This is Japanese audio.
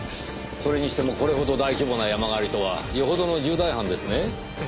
それにしてもこれほど大規模な山狩りとはよほどの重大犯ですね。